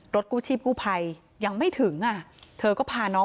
กู้ชีพกู้ภัยยังไม่ถึงอ่ะเธอก็พาน้อง